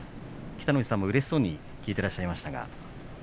北の富士さんもうれしそうに聞いてらっしゃいましたね。